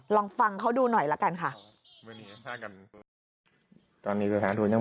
ลองฟังเขาดูหน่อยละกันค่ะ